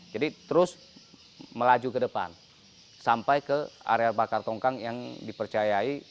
jadi terus melaju ke depan sampai ke area bakar tongkang yang dipercayai